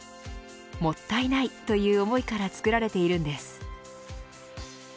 もったいないという思いから作られているんです。